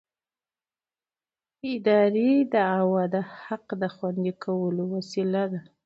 اداري دعوه د حق د خوندي کولو وسیله ده.